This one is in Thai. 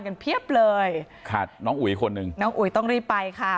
เพียบเลยค่ะน้องอุ๋ยคนหนึ่งน้องอุ๋ยต้องรีบไปค่ะ